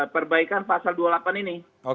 perbaikan pasal dua puluh delapan ini